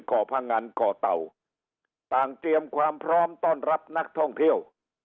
่อพงันก่อเต่าต่างเตรียมความพร้อมต้อนรับนักท่องเที่ยว